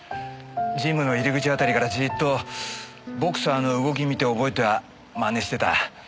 ジムの入り口辺りからじーっとボクサーの動き見て覚えては真似してた。